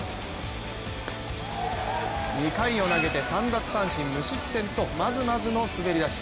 ２回を投げて三奪三振無失点とまずまずの走りだし。